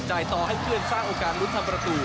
ต่อให้เพื่อนสร้างโอกาสลุ้นทำประตู